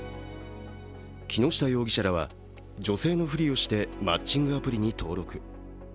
木下容疑者らは女性のふりをしてマッチングアプリに登録。